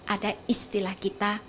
ada istilah kita